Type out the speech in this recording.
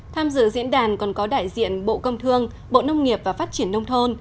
tham dự diễn đàn còn có đại diện bộ công thương bộ nông nghiệp và phát triển nông thôn